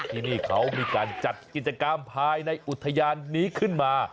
ที่นี่เขามีการจัดกิจกรรมภายในอุทยานนี้ขึ้นมา